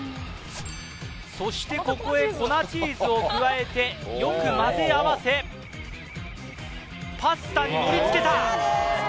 そしてここへ粉チーズを加えてよく混ぜあわせパスタに盛り付けた